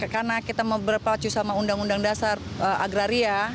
karena kita berpacu sama undang undang dasar agraria